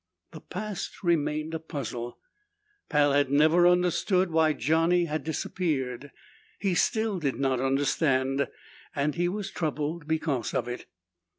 The past remained a puzzle. Pal had never understood why Johnny had disappeared, he still did not understand, and he was troubled because of it.